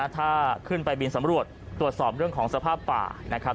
ถ้าขึ้นไปบินสำรวจตรวจสอบเรื่องของสภาพป่านะครับ